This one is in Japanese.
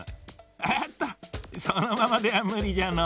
おおっとそのままではむりじゃのう。